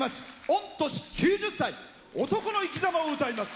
御年９０歳男の生きざまを歌います。